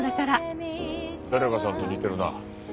誰かさんと似てるな。